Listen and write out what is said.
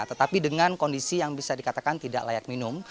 tetapi dengan kondisi yang bisa dikatakan tidak layak minum